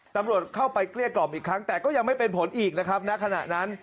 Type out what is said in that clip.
ตำรวจเข้าไปเกลี้ยกล่อมอีกครั้งแต่ก็ยังไม่เป็นผลอีกนะครับณขณะนั้น